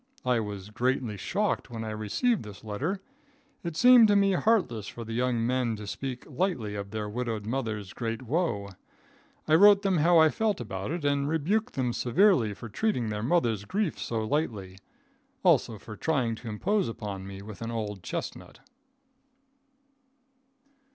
I was greatly shocked when I received this letter. It seemed to me heartless for young men to speak lightly of their widowed mother's great woe. I wrote them how I felt about it, and rebuked them severely for treating their mother's grief so lightly. Also for trying to impose upon me with an old chestnut.